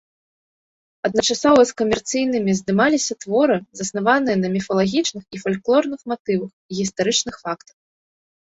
Адначасова з камерцыйнымі здымаліся творы, заснаваныя на міфалагічных і фальклорных матывах, гістарычных фактах.